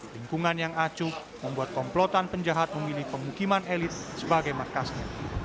lingkungan yang acuh membuat komplotan penjahat memilih pemukiman elit sebagai markasnya